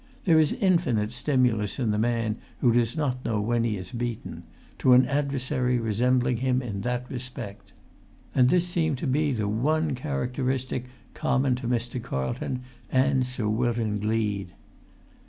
There is infinite stimulus in the man who does not know when he is beaten—to an adversary resembling him in that respect. And this seemed to be the one characteristic common to Mr. Carlton and Sir Wilton Gleed.